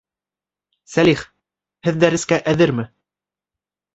Сәлих, һеҙ дәрескә әҙерме?